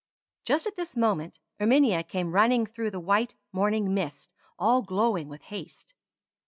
Just at this moment Erminia came running through the white morning mist all glowing with haste.